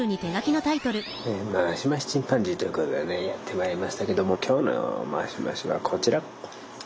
「マシマシチンパンジー」ということでねやってまいりましたけども今日のマシマシはこちら。